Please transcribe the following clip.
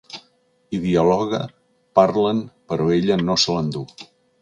Hi dialoga, parlen, però ella no se l’endú.